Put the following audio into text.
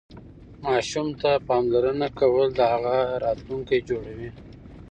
ماشوم ته پاملرنه کول د هغه راتلونکی جوړوي.